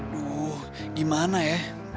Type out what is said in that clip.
duh gimana ya